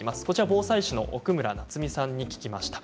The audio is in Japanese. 防災士の奥村奈津美さんに聞きました。